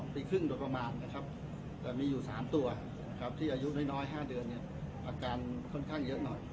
๒ปีครึ่งประมาทแต่มีอยู่๓ตัวที่อายุน้อย๕เดือนอาการเยอะหน่อย